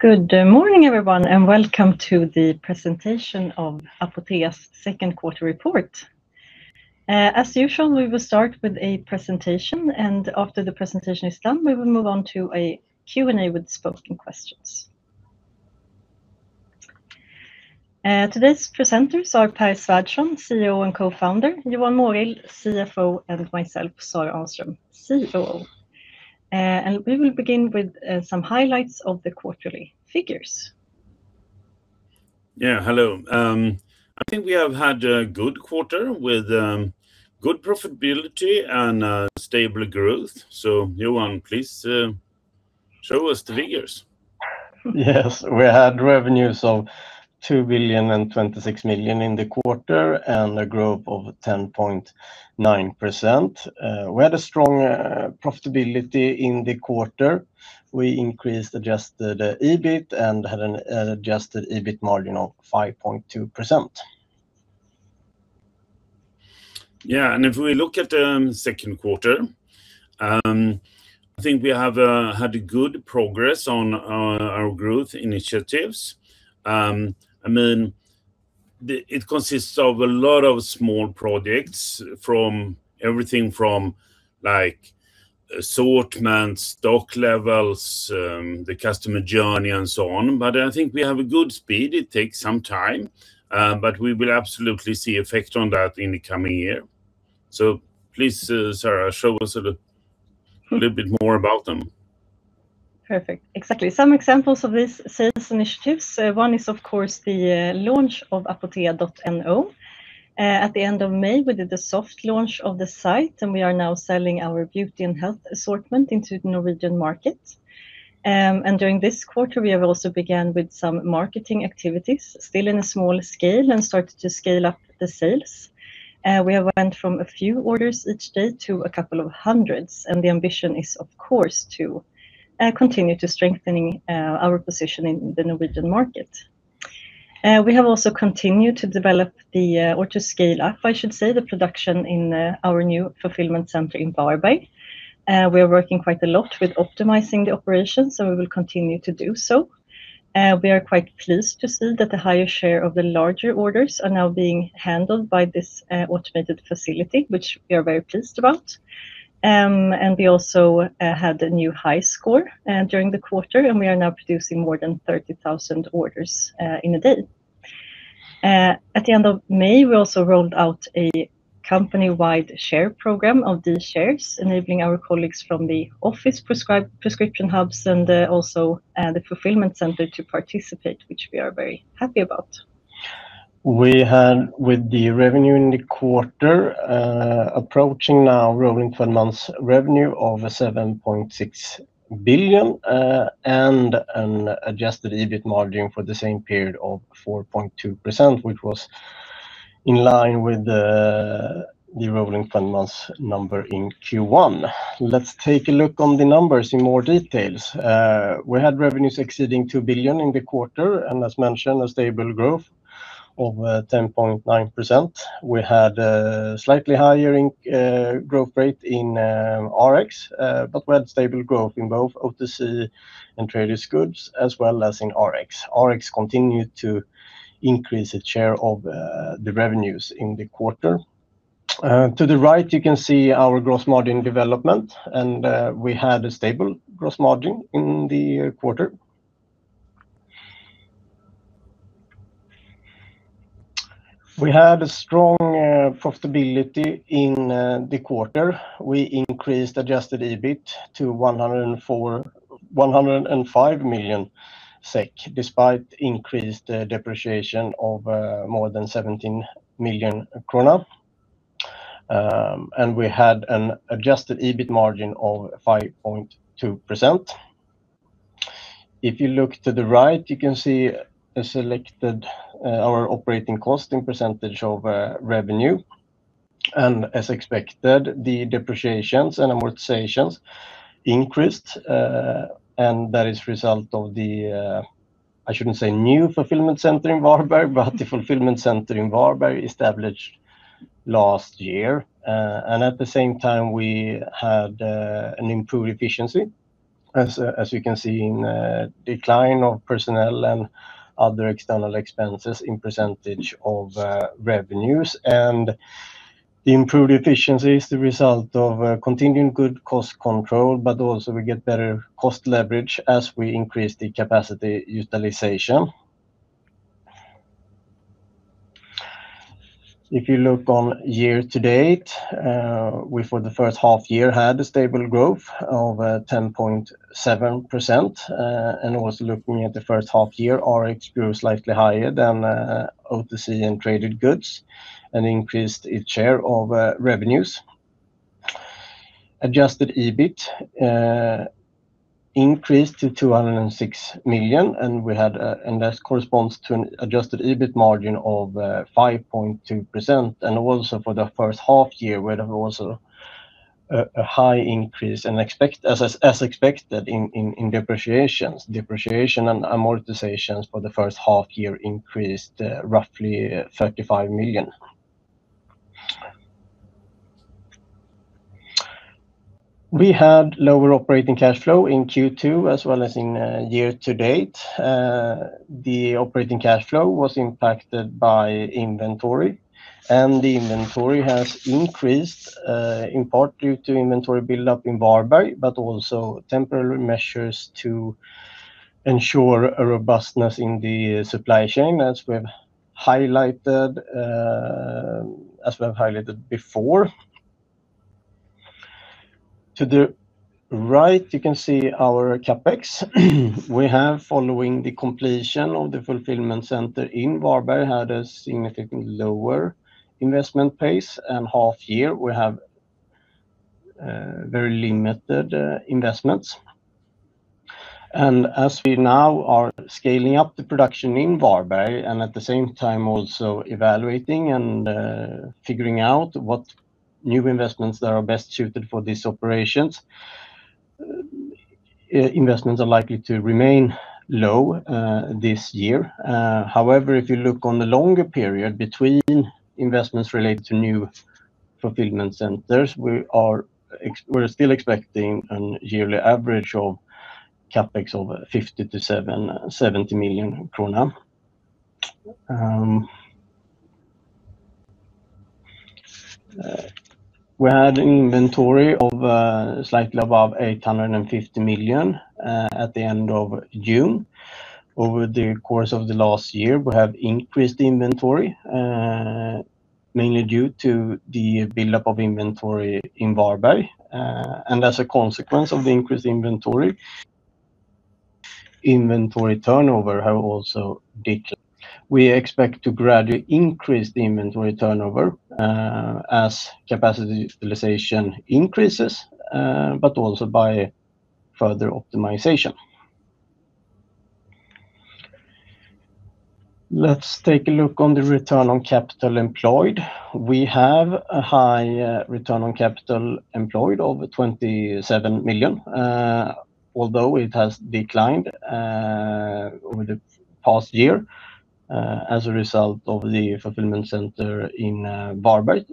Good morning, everyone, and welcome to the presentation of Apotea's Q2 Report. As usual, we will start with a presentation. After the presentation is done, we will move on to a Q&A with spoken questions. Today's presenters are Pär Svärdson, CEO and co-founder, Johan Mårild, CFO, and myself, Sarah Ahnström, COO. We will begin with some highlights of the quarterly figures. Yeah, hello. I think we have had a good quarter with good profitability and stable growth. Johan, please show us the figures. Yes. We had revenues of 2.026 billion in the quarter and a growth of 10.9%. We had a strong profitability in the quarter. We increased adjusted EBIT and had an adjusted EBIT margin of 5.2%. Yeah, if we look at the Q2, I think we have had good progress on our growth initiatives. It consists of a lot of small projects, from everything from assortment, stock levels, the customer journey, and so on. I think we have a good speed. It takes some time, but we will absolutely see effect on that in the coming year. Please, Sarah, show us a little bit more about them. Perfect. Exactly. Some examples of these sales initiatives. One is, of course, the launch of apotea.no. At the end of May, we did the soft launch of the site, and we are now selling our beauty and health assortment into the Norwegian market. During this quarter, we have also began with some marketing activities, still in a small scale, and started to scale up the sales. We have went from a few orders each day to a couple of hundreds, and the ambition is, of course, to continue to strengthening our position in the Norwegian market. We have also continued to develop or to scale up, I should say, the production in our new fulfillment center in Varberg. We are working quite a lot with optimizing the operations, and we will continue to do so. We are quite pleased to see that the higher share of the larger orders are now being handled by this automated facility, which we are very pleased about. We also had a new high score during the quarter, and we are now producing more than 30,000 orders in a day. At the end of May, we also rolled out a company-wide share program of the shares, enabling our colleagues from the office prescription hubs and also the fulfillment center to participate, which we are very happy about. We had with the revenue in the quarter approaching now rolling 12 months revenue of 7.6 billion and an adjusted EBIT margin for the same period of 4.2%, which was in line with the rolling 12 months number in Q1. Let's take a look on the numbers in more details. We had revenues exceeding 2 billion in the quarter, and as mentioned, a stable growth of 10.9%. We had a slightly higher growth rate in Rx, but we had stable growth in both OTC and traded goods as well as in Rx. Rx continued to increase its share of the revenues in the quarter. To the right, you can see our gross margin development, and we had a stable gross margin in the quarter. We had a strong profitability in the quarter. We increased adjusted EBIT to 105 million SEK, despite increased depreciation of more than 17 million krona. We had an adjusted EBIT margin of 5.2%. If you look to the right, you can see our operating cost in percentage of revenue. As expected, the depreciations and amortizations increased, and that is result of the, I shouldn't say new fulfillment center in Varberg, but the fulfillment center in Varberg established last year. At the same time, we had an improved efficiency, as you can see in decline of personnel and other external expenses in percentage of revenues. The improved efficiency is the result of continuing good cost control, but also we get better cost leverage as we increase the capacity utilization. If you look on year-to-date, we for the first half year had a stable growth of 10.7%. Also looking at the first half year, Rx grew slightly higher than OTC and traded goods and increased its share of revenues. Adjusted EBIT increased to 206 million, and that corresponds to an adjusted EBIT margin of 5.2%. Also for the first half year, we had also a high increase, as expected, in depreciations. Depreciation and amortizations for the first half year increased roughly SEK 35 million. We had lower operating cash flow in Q2 as well as in year to date. The operating cash flow was impacted by inventory, and the inventory has increased in part due to inventory buildup in Varberg, but also temporary measures to ensure a robustness in the supply chain as we have highlighted before. To the right, you can see our CapEx. We have, following the completion of the fulfillment center in Varberg, had a significantly lower investment pace and half-year, we have very limited investments. As we now are scaling up the production in Varberg and at the same time also evaluating and figuring out what new investments that are best suited for these operations, investments are likely to remain low this year. However, if you look on the longer period between investments related to new fulfillment centers, we're still expecting a yearly average of CapEx over SEK 50 million-SEK 70 million. We had an inventory of slightly above 850 million at the end of June. Over the course of the last year, we have increased the inventory, mainly due to the buildup of inventory in Varberg. As a consequence of the increased inventory turnover have also decreased. We expect to gradually increase the inventory turnover as capacity utilization increases, but also by further optimization. Let's take a look on the return on capital employed. We have a high return on capital employed of 27 million, although it has declined over the past year as a result of the fulfillment center in Varberg.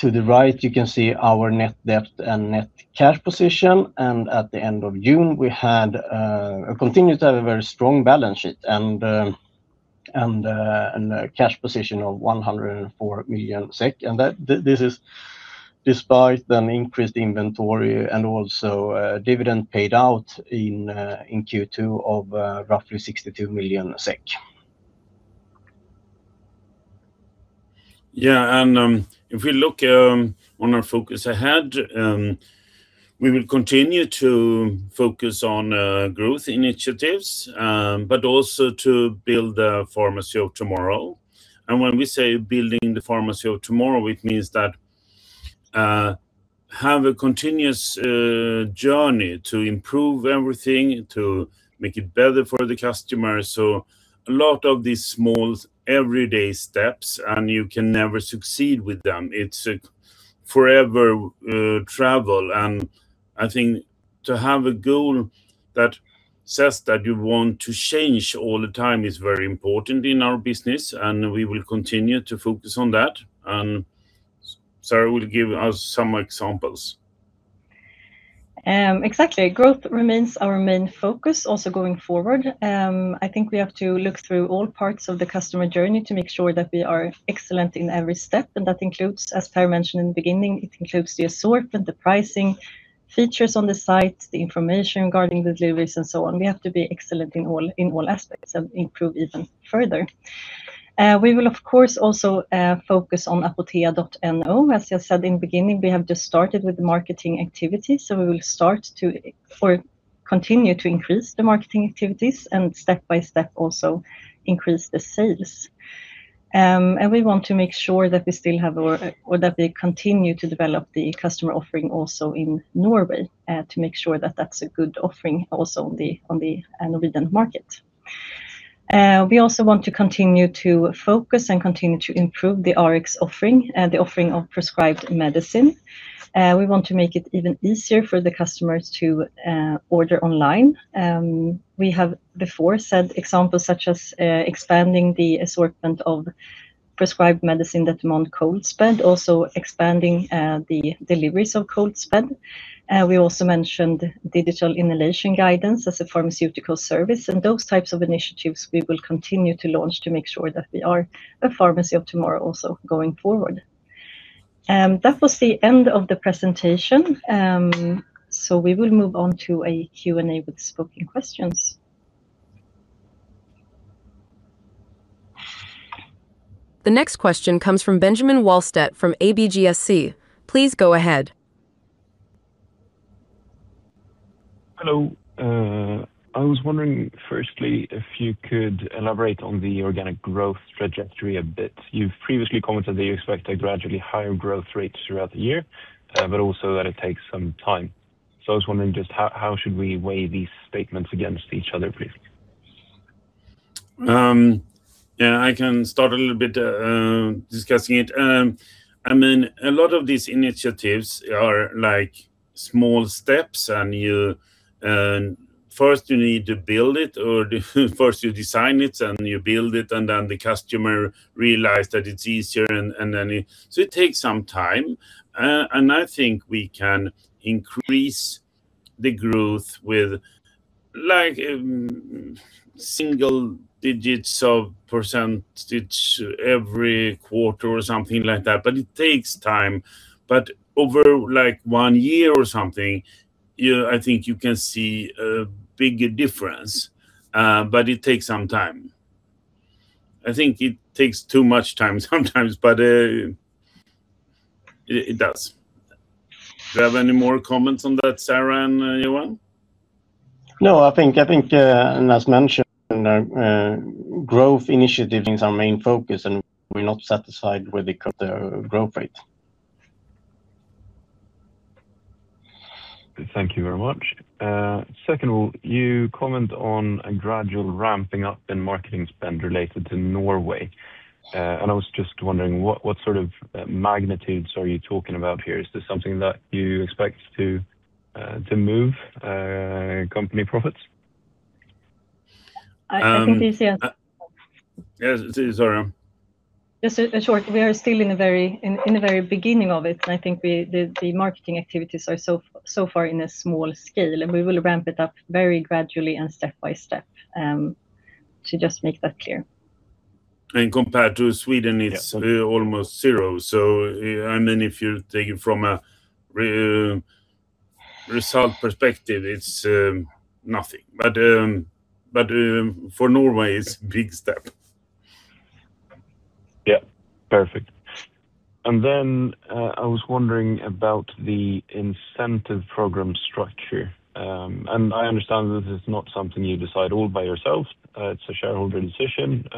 To the right, you can see our net debt and net cash position, and at the end of June, we continued to have a very strong balance sheet and a cash position of 104 million SEK, and this is despite an increased inventory and also a dividend paid out in Q2 of roughly 62 million SEK. If we look on our focus ahead, we will continue to focus on growth initiatives, but also to build the pharmacy of tomorrow. When we say building the pharmacy of tomorrow, it means that we have a continuous journey to improve everything, to make it better for the customer. A lot of these small everyday steps, and you can never succeed with them. It's a forever travel. I think to have a goal that says that you want to change all the time is very important in our business, and we will continue to focus on that. Sarah will give us some examples. Exactly. Growth remains our main focus also going forward. I think we have to look through all parts of the customer journey to make sure that we are excellent in every step. That includes, as Pär mentioned in the beginning, it includes the assortment, the pricing, features on the site, the information regarding the deliveries and so on. We have to be excellent in all aspects and improve even further. We will of course also focus on apotea.no. As I said in the beginning, we have just started with marketing activities, we will continue to increase the marketing activities and step by step also increase the sales. We want to make sure that we continue to develop the customer offering also in Norway to make sure that that's a good offering also on the Norwegian market. We also want to continue to focus and continue to improve the Rx offering, the offering of prescribed medicine. We want to make it even easier for the customers to order online. We have before said examples such as expanding the assortment of prescribed medicine that demand cold chain, also expanding the deliveries of cold chain. We also mentioned digital inhalation guidance as a pharmaceutical service. Those types of initiatives we will continue to launch to make sure that we are a pharmacy of tomorrow also going forward. That was the end of the presentation, we will move on to a Q&A with spoken questions. The next question comes from Benjamin Wahlstedt from ABG Sundal Collier. Please go ahead. Hello. I was wondering firstly if you could elaborate on the organic growth trajectory a bit. You've previously commented that you expect a gradually higher growth rate throughout the year, but also that it takes some time. I was wondering just how should we weigh these statements against each other, please? I can start a little bit discussing it. A lot of these initiatives are small steps. First you need to build it, or first you design it, you build it, then the customer realizes that it's easier. It takes some time, and I think we can increase the growth with single digits of % every quarter or something like that, but it takes time. Over one year or something, I think you can see a bigger difference, but it takes some time. I think it takes too much time sometimes, but it does. Do you have any more comments on that, Sarah and Johan? No, I think as mentioned, growth initiatives are our main focus and we're not satisfied with the growth rate. Thank you very much. Secondly, you comment on a gradual ramping up in marketing spend related to Norway, and I was just wondering what sort of magnitudes are you talking about here? Is this something that you expect to move company profits? I think these yet- Yes. Sorry. Just short, we are still in the very beginning of it. I think the marketing activities are so far in a small scale. We will ramp it up very gradually and step by step, to just make that clear. Compared to Sweden, it's almost zero. If you take it from a result perspective, it's nothing, but for Norway, it's big step. Yeah. Perfect. Then, I was wondering about the incentive program structure. I understand this is not something you decide all by yourself. It's a shareholder decision.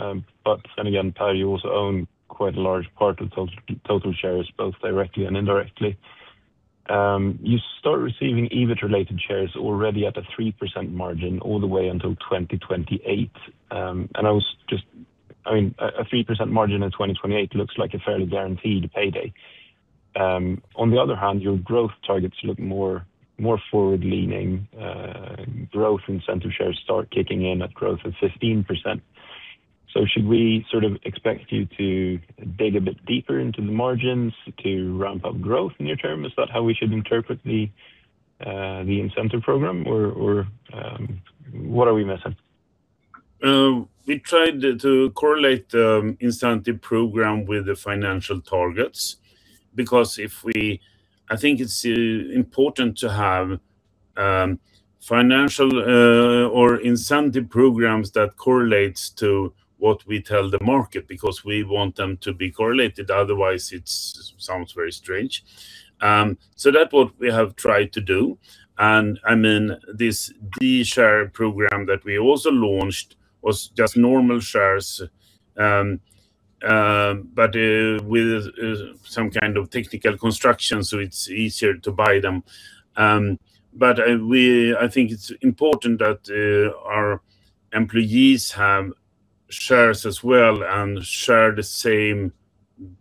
Again, Pär, you also own quite a large part of total shares, both directly and indirectly. You start receiving EBIT related shares already at a 3% margin all the way until 2028. A 3% margin in 2028 looks like a fairly guaranteed payday. On the other hand, your growth targets look more forward-leaning. Growth incentive shares start kicking in at growth of 15%. Should we expect you to dig a bit deeper into the margins to ramp up growth in your term? Is that how we should interpret the incentive program, or what are we missing? We tried to correlate the incentive program with the financial targets. I think it's important to have financial or incentive programs that correlates to what we tell the market, because we want them to be correlated. Otherwise, it sounds very strange. That what we have tried to do, and this D share program that we also launched was just normal shares, but with some kind of technical construction so it's easier to buy them. I think it's important that our employees have shares as well and share the same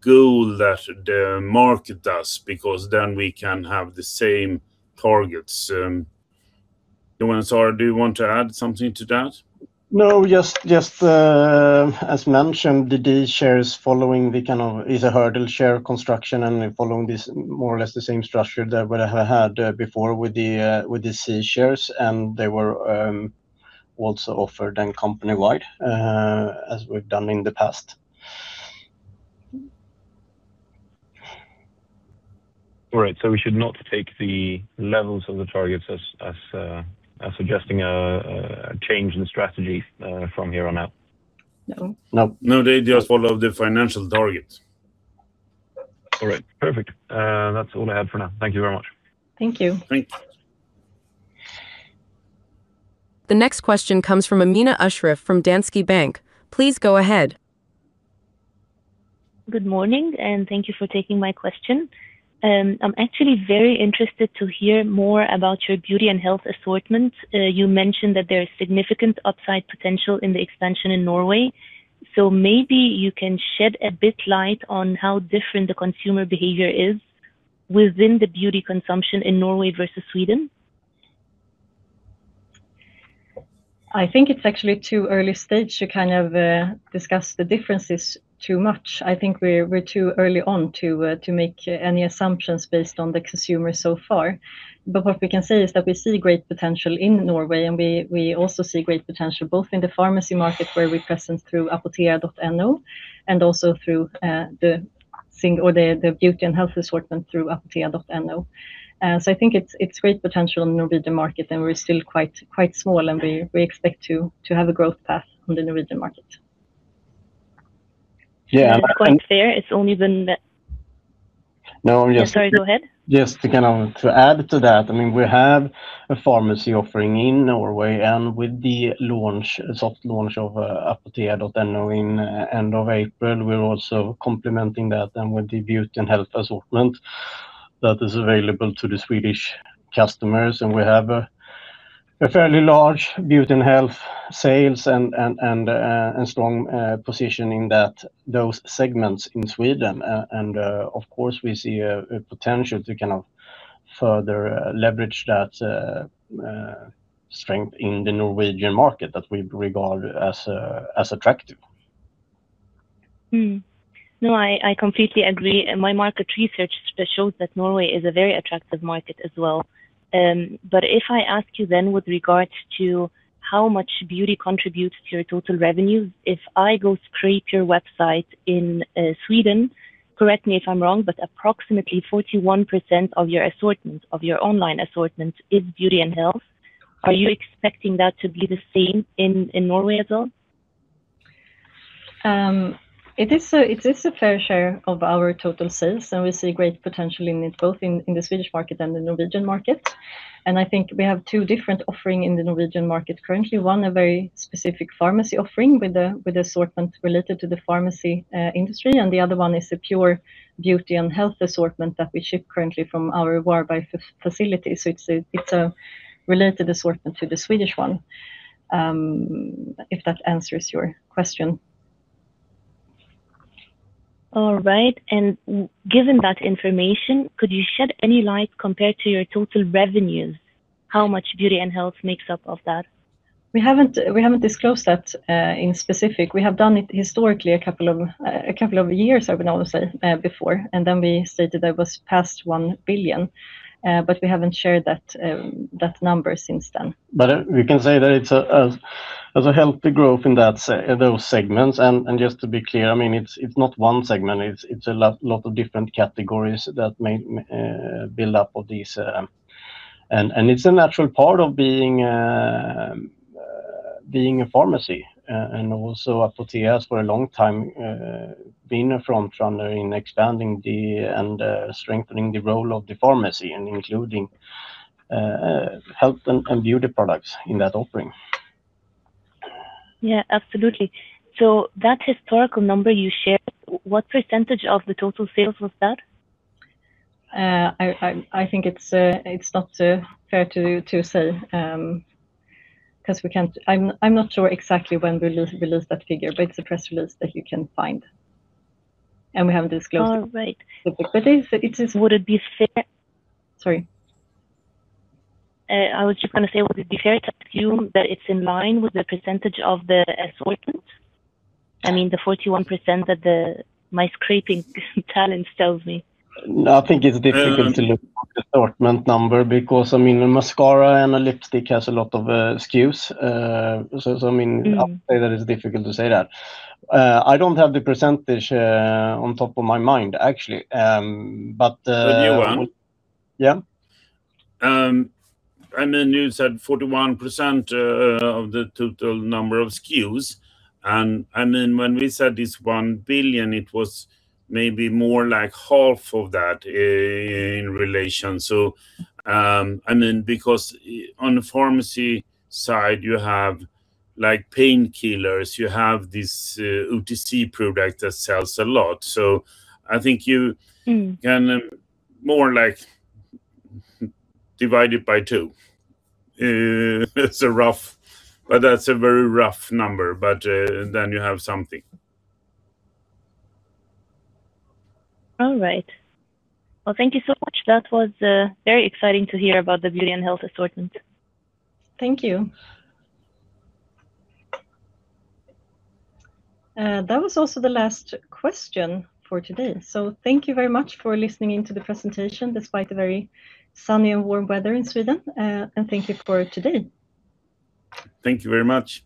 goal that the market does, because then we can have the same targets. Johan and Sarah, do you want to add something to that? No, just as mentioned, the D share is a hurdle share construction. We're following more or less the same structure that I had before with the C shares. They were also offered then company-wide, as we've done in the past. All right. We should not take the levels of the targets as suggesting a change in strategy from here on out? No. No. No, they just follow the financial targets. All right. Perfect. That's all I had for now. Thank you very much. Thank you. Thanks. The next question comes from Amina Ashraf from Danske Bank. Please go ahead. Good morning, thank you for taking my question. I'm actually very interested to hear more about your beauty and health assortment. You mentioned that there is significant upside potential in the expansion in Norway, maybe you can shed a bit light on how different the consumer behavior is within the beauty consumption in Norway versus Sweden? I think it's actually too early stage to discuss the differences too much. I think we're too early on to make any assumptions based on the consumer so far. What we can say is that we see great potential in Norway, and we also see great potential both in the pharmacy market where we present through apotea.no, and also through the beauty and health assortment through apotea.no. I think it's great potential in the Norwegian market, and we're still quite small, and we expect to have a growth path on the Norwegian market. Yeah. It's quite fair. It's only been No, yes. I'm sorry, go ahead. Just to add to that, we have a pharmacy offering in Norway. With the soft launch of apotea.no in end of April, we're also complementing that then with the beauty and health assortment that is available to the Swedish customers. We have a fairly large beauty and health sales and strong positioning those segments in Sweden. Of course, we see a potential to further leverage that strength in the Norwegian market that we regard as attractive No, I completely agree. My market research shows that Norway is a very attractive market as well. If I ask you then with regards to how much beauty contributes to your total revenue, if I go scrape your website in Sweden, correct me if I'm wrong, but approximately 41% of your online assortment is beauty and health. Are you expecting that to be the same in Norway as well? It is a fair share of our total sales, and we see great potential in it, both in the Swedish market and the Norwegian market. I think we have two different offerings in the Norwegian market currently. One, a very specific pharmacy offering with the assortment related to the pharmacy industry, and the other one is a pure beauty and health assortment that we ship currently from our Varberg facility. It's a related assortment to the Swedish one. If that answers your question. All right. Given that information, could you shed any light compared to your total revenues, how much beauty and health makes up of that? We haven't disclosed that in specific. We have done it historically a couple of years, I would almost say, before, and then we stated that it was past 1 billion. We haven't shared that number since then. We can say that it's a healthy growth in those segments, and just to be clear, it's not one segment. It's a lot of different categories that make build up of these. It's a natural part of being a pharmacy and also Apotea for a long time being a front runner in expanding and strengthening the role of the pharmacy and including health and beauty products in that offering. Yeah, absolutely. That historical number you shared, what % of the total sales was that? I think it's not fair to say because I'm not sure exactly when we released that figure, it's a press release that you can find, we have disclosed it. All right. But it is- Would it be fair? Sorry. I was just going to say, would it be fair to assume that it's in line with the percentage of the assortment? I mean, the 41% that my scraping talents tells me. I think it's difficult to look at the assortment number because a mascara and a lipstick has a lot of SKUs. I would say that it's difficult to say that. I don't have the % on top of my mind, actually. Johan. Yeah? You said 41% of the total number of SKUs. When we said this 1 billion, it was maybe more like half of that in relation. On the pharmacy side, you have painkillers, you have this OTC product that sells a lot. I think you can more divide it by 2. That's a very rough number. Then you have something. All right. Well, thank you so much. That was very exciting to hear about the beauty and health assortment. Thank you. That was also the last question for today. Thank you very much for listening in to the presentation, despite the very sunny and warm weather in Sweden, and thank you for today. Thank you very much.